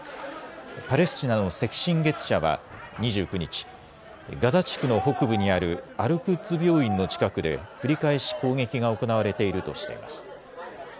パレスチナの赤新月社は２９日、ガザ地区の北部にあるアルクッズ病院の近くで繰り返し攻撃が行われているとしています。